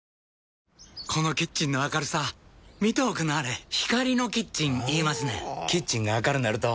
このキッチンの明るさ見ておくんなはれ光のキッチン言いますねんほぉキッチンが明るなると・・・